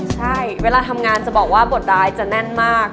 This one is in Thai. ใช่เวลาทำงานจะบอกว่าบทร้ายจะแน่นมาก